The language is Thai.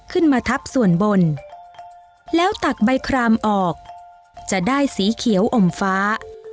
ขึ้นมาทับส่วนบนแล้วตักใบครามออกจะได้สีเขียวอมฟ้า